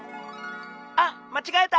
あっまちがえた。